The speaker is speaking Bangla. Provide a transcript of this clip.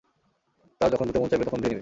তার যখন ধুতে মন চাইবে তখন ধুয়ে নিবে।